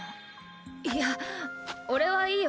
いやおれはいいよ。